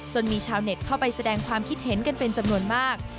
มีชาวเน็ตเข้าไปแสดงความคิดเห็นกันเป็นจำนวนมาก